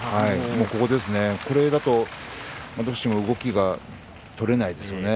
これだと、どうしても動きが取れないですね。